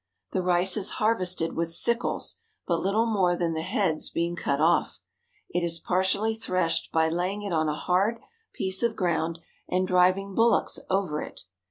The rice is harvested with sickles, but little more than the heads being cut off. It is partially threshed by lay ing it on a hard piece of ground, and driving bullocks over it.